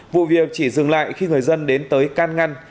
vụ việc chỉ dừng lại khi người dân đến tới can ngăn